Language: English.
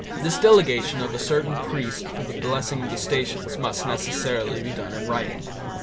This delegation of a certain priest for the blessing of the Stations must necessarily be done in writing.